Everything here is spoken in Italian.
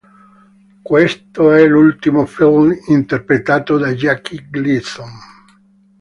Questo è l'ultimo film interpretato da Jackie Gleason.